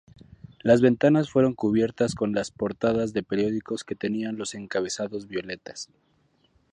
Las ventanas fueron cubiertas con las portadas de periódicos que tenían los encabezados violetas.